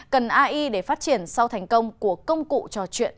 cần ai để phát triển sau thành công của công cụ trò chuyện